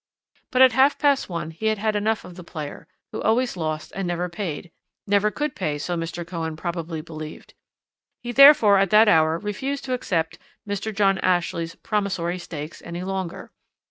"But at half past one he had had enough of the player, who always lost and never paid never could pay, so Mr. Cohen probably believed. He therefore at that hour refused to accept Mr. John Ashley's 'promissory' stakes any longer.